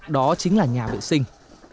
đó chính là nhà vệ sinh